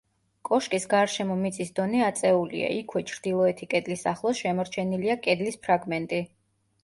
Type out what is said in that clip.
კოშკის გარშემო მიწის დონე აწეულია, იქვე, ჩრდილოეთი კედლის ახლოს, შემორჩენილია კედლის ფრაგმენტი.